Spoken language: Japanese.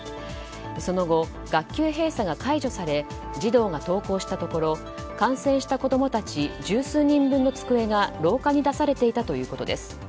その後、学級閉鎖が解除され、児童が登校したところ感染した子供たち十数人分の机が廊下に出されていたということです。